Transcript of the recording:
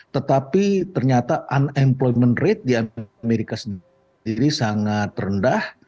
tetapi ternyata unemployment rate di amerika sendiri sangat rendah